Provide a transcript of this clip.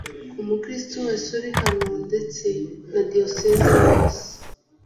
ku mukirisitu wese uri hano, ndetse nadiyosezi yose